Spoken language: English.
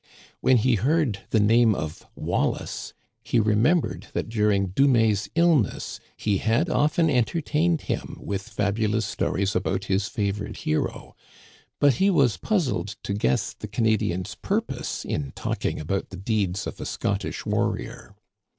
When he heard the name of Digitized by VjOOQIC A NIGHT AMONG THE SAVAGES. I9Î Wallace, he remembered that during Dumais's illness he had often entertained him with fabulous stories about his favorite hero, but he was puzzled to guess the Cana dian's purpose in talking about the deeds of a Scottish warrior.